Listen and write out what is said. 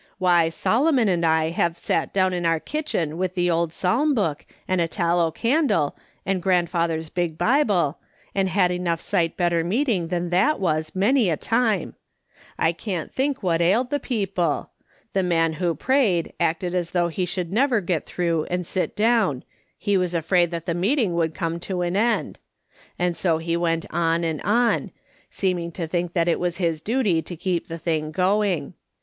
Why, Solo mon and I have sat down in our kitchen, with the old Psalm book, and a tallow candle, and grand father's big Bible, and had enough sight better meet ing than that was, many a time. I can't think what ailed the people. The man who prayed acted as though if he should ever get through and sit down, he was afraid that the meeting would come to an end ; and so he went on and on, seeming to think that it was his duty to keep the thing going.